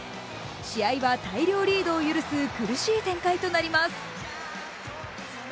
試合は大量リードを許す苦しい展開となります。